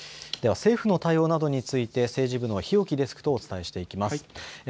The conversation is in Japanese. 政府の対応などについて政治部の日置デスクとお伝えしていきます。